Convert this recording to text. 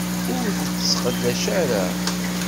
Ur t-tesseqdac ara.